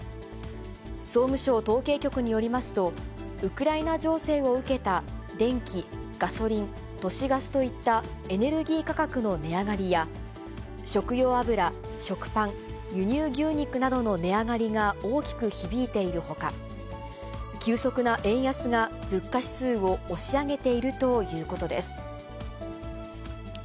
総務省統計局によりますと、ウクライナ情勢を受けた電気、ガソリン、都市ガスといったエネルギー価格の値上がりや、食用油、食パン、輸入牛肉などの値上がりが大きく響いているほか、急速な円安が、物価指数を押し上げているということです。